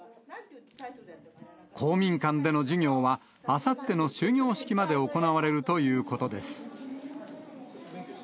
公民館での授業は、あさっての終業式まで行われるということです。